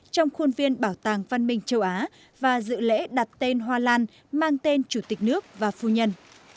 trong khuôn viên bảo tàng văn minh châu á và dự lễ đặt tên hoa lan mang tên chủ tịch nước và phu nhân